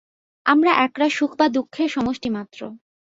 আমরা একরাশ সুখ বা দুঃখের সমষ্টিমাত্র।